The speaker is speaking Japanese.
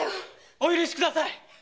お許しください。